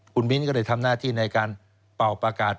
คุณมิ้นก็ได้ทำหน้าที่ในการเป่าประกาศ